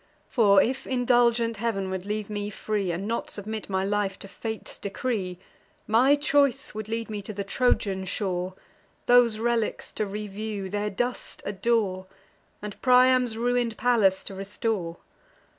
For, if indulgent Heav'n would leave me free, And not submit my life to fate's decree, My choice would lead me to the Trojan shore, Those relics to review, their dust adore, And Priam's ruin'd palace to restore.